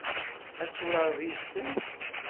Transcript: Ad turareḍ yid-sen?